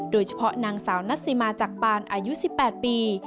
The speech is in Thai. โดยเฉพาะนางสาวนัสซิมาจากปานอายุ๑๘ปี